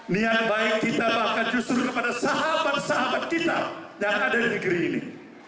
niat baik kita bahkan justru kepada sahabat sahabat kita yang ada di negeri ini